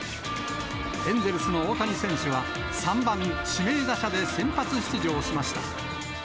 エンゼルスの大谷選手は、３番指名打者で先発出場しました。